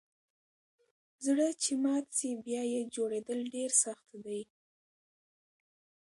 زړه چي مات سي بیا یه جوړیدل ډیر سخت دئ